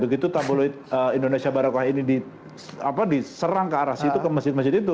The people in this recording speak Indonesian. begitu tabloid indonesia barokah ini diserang ke arah situ ke masjid masjid itu